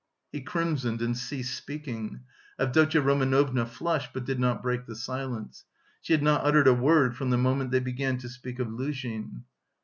He crimsoned and ceased speaking. Avdotya Romanovna flushed, but did not break the silence. She had not uttered a word from the moment they began to speak of Luzhin.